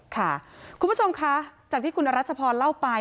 ค่ะคุณผู้ชมคะจากที่คุณอรัชพรเล่าไป